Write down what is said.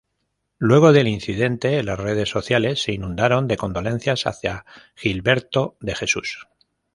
Luego del incidente las redes sociales se inundaron de condolencias hacia Gilberto de Jesús.